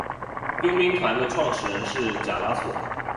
佣兵团的创始人是贾拉索。